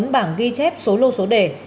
một mươi bốn bảng ghi chép số lô số đề